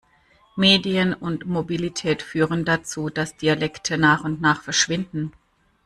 Medien und Mobilität führen dazu, dass Dialekte nach und nach verschwinden.